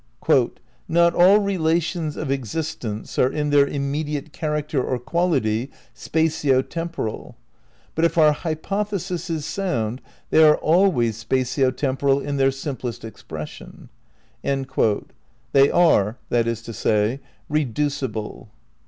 "Not all relations of existents are in their immediate character or quality spatio temporal; but if our hypothesis is sound they are always spatio temporal in their simplest expression." ' They are, that is to say, reducible.